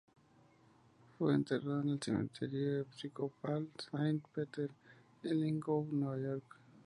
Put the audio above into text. Fue enterrada en el Cementerio Episcopal Saint Peter en Lithgow, Nueva York.